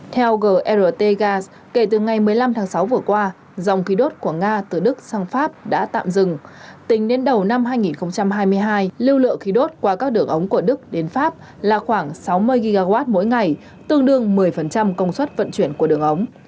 theo grtgas kể từ ngày một mươi năm tháng sáu vừa qua dòng khí đốt của nga từ đức sang pháp đã tạm dừng tính đến đầu năm hai nghìn hai mươi hai lưu lượng khí đốt qua các đường ống của đức đến pháp là khoảng sáu mươi gigawatt mỗi ngày tương đương một mươi công suất vận chuyển của đường ống